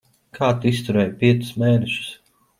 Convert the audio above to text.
Kā tu izturēji piecus mēnešus?